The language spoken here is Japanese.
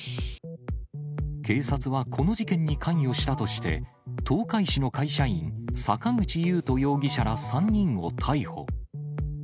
警察はこの事件に関与したとして、東海市の会社員、坂口優斗容疑者ら３人を逮捕。